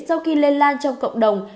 sau khi lây lan trong cộng đồng